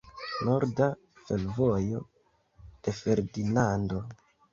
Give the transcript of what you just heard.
Norda fervojo de Ferdinando.